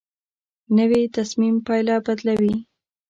نوې تصمیم پایله بدلوي